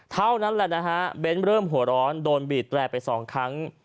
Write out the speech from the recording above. เท่านั้นแหละนะฮะเบ้นเริ่มหัวร้อนโดนบีดแตรไปสองครั้ง